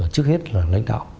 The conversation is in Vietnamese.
trước hết là lãnh đạo